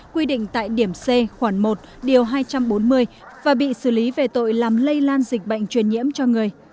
quy định tại điểm c khoảng một điều hai trăm bốn mươi và bị xử lý về tội làm lây lan dịch bệnh truyền nhiễm cho người